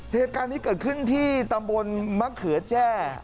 เหตุการณ์นี้เกิดขึ้นที่ตำบลมะเขือแจ้